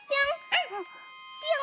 ぴょん！